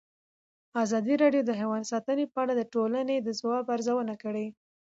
ازادي راډیو د حیوان ساتنه په اړه د ټولنې د ځواب ارزونه کړې.